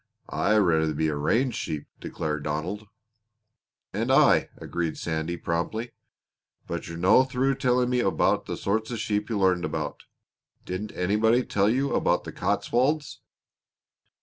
"I'd rather be a range sheep!" declared Donald. "And I!" agreed Sandy promptly. "But you're no through telling me about the sorts of sheep you learned about. Didn't anybody tell you about the Cotswolds?"